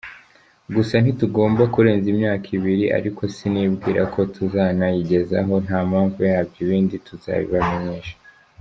Gusa ntitugomba kurenza imyaka ibiri, ariko sinibwira ko tuzanayigezaho nta mpamvu yabyo, ibindi tuzabibamenyesha.